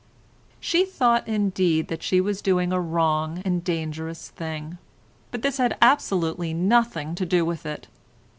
She thought, indeed, that she was doing a wrong and dangerous thing, but this had absolutely nothing to do with it.